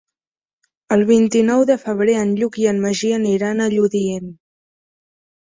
El vint-i-nou de febrer en Lluc i en Magí aniran a Lludient.